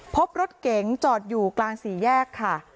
พบรถเก๋งจอดอยู่กลางสี่แยกค่ะ